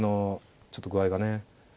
ちょっと具合がね。